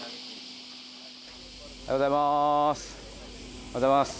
おはようございます。